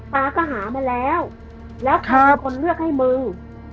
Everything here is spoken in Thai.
ป๊าก็หามาแล้วแล้วก็มีคนเลือกให้มึง